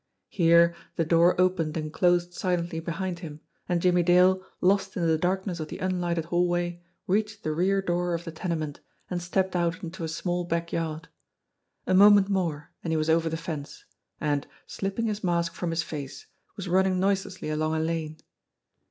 Here, the door opened and closed silently behind him, and Jimmie Dale, lost in the darkness of the unlighted hallway, reached the rear door of the tenement, and stepped out into a small back yard. A moment more, and he was over the fence, and, slipping his mask from his face, was running noiselessly along a lane.